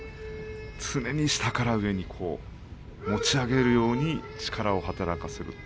常に下から上に持ち上げるように力を働かせる。